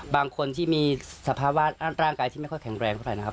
บางคนที่มีสภาวะร่างกายที่ไม่ค่อยแข็งแรงเท่าไหร่นะครับ